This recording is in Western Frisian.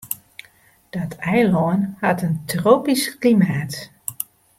Dat eilân hat in tropysk klimaat.